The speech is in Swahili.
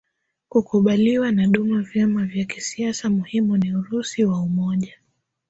kukubaliwa na duma Vyama vya kisiasa muhimu ni Urusi wa Umoja